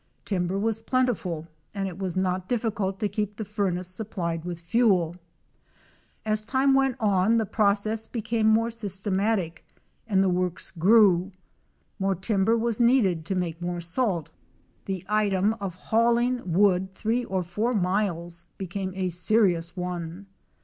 Timber was plentiful and it was not difficult to keep the furnace supplied with fuel. As time went on the process became more systematic and the works grew. More timber was needed to make more salt. The item of hauling wood three or four miles became a serious one.